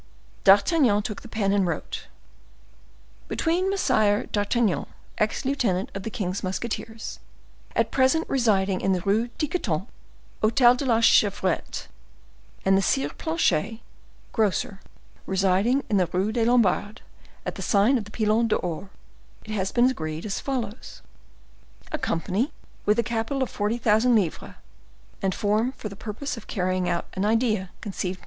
D'Artagnan took the pen and wrote:—"Between Messire d'Artagnan, ex lieutenant of the king's musketeers, at present residing in the Rue Tiquetonne, Hotel de la Chevrette; and the Sieur Planchet, grocer, residing in the Rue des Lombards, at the sign of the Pilon d'Or, it has been agreed as follows:—A company, with a capital of forty thousand livres, and formed for the purpose of carrying out an idea conceived by M.